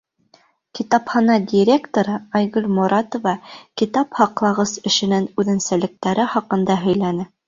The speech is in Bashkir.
Китапхана директоры Айгөл Моратова китап һаҡлағыс эшенең үҙенсәлектәре хаҡында һөйләне.